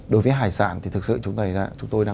đối với hải sản thì thực sự chúng tôi đang quan tâm nhất